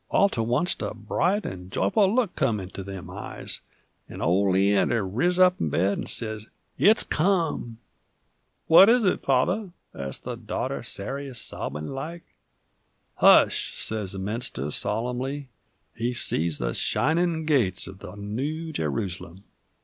All to oncet a bright 'nd joyful look come into them eyes, 'nd ol' Leander riz up in bed 'nd sez, "It's come!" "What is it, Father?" asked his daughter Sarey, sobbin' like. "Hush," says the minister, solemnly; "he sees the shinin' gates uv the Noo Jerusalum."